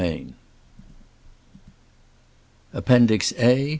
\ i APPENDIX. A.